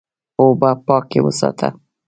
اوبه پاکې وساته.